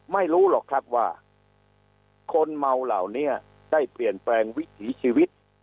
ไม่รู้หรอกครับว่าคนเมาเหล่านี้ได้เปลี่ยนแปลงวิถีชีวิต